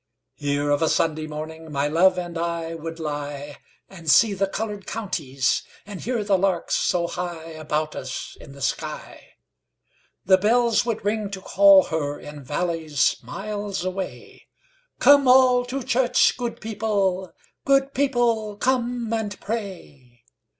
Here of a Sunday morningMy love and I would lie, And see the coloured counties, And hear the larks so highAbout us in the sky. The bells would ring to call herIn valleys miles away:'Come all to church, good people; Good people, come and pray.